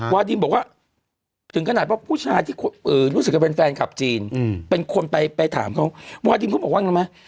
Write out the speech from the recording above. วาดิมบอกว่าถึงขนาดว่าผู้ชายที่รู้สึกจะเป็นแฟนคลับจีนเป็นคนไปถามเขาวาดิมเขาบอกว่าไงไหม